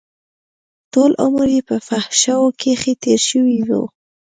ټول عمر يې په فحشاوو کښې تېر شوى و.